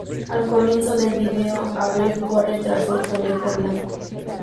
Al comienzo del video, Avril corre tras un conejo blanco.